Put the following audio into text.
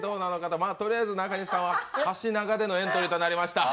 とりあえず中西さんは箸長っでのエントリーとなりました。